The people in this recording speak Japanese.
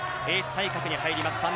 エース対角に入ります